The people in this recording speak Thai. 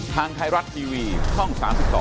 ทางไทยรัฐทีวีช่อง๓๒